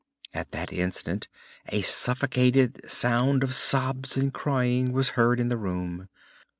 At that instant a suffocated sound of sobs and crying was heard in the room.